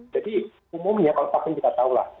jadi umumnya kalau vaksin kita tahu lah